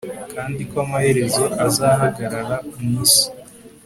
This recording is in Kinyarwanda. Kandi ko amaherezo azahagarara mu isi